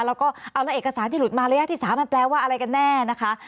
แล้วก็เอาแล้วเอกสารที่หลุดมาระยะที่๓มันแปลว่าอะไรกันแน่นะคะ